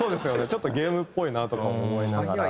ちょっとゲームっぽいなとかも思いながら。